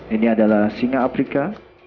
ini adalah singa afrika